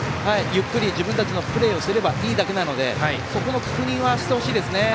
ゆっくり自分たちのプレーをすればいいだけなのでそこの確認はしてほしいですね。